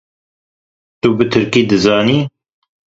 Tu bi tirkî dizanî?